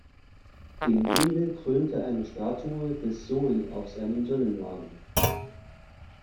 Den Giebel krönte eine Statue des Sol auf seinem Sonnenwagen.